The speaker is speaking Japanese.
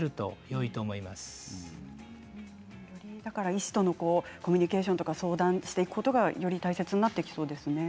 より医師とのコミュニケーションとか相談していくことがより大切になっていきそうですね。